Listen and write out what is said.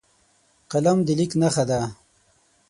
قلم د لیک نښه ده